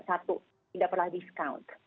satu tidak pernah discount